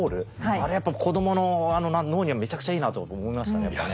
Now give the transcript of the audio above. あれはやっぱ子供の脳にはめちゃくちゃいいなと思いましたねやっぱね。